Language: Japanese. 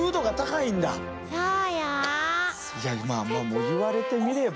いやまあ言われてみれば。